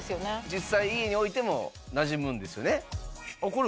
実際家に置いてもなじむんですよね。